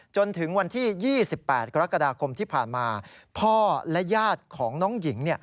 จนถึงวันที่๒๘กรกฎาคมที่ผ่านมาพ่อและญาติของน้องหญิง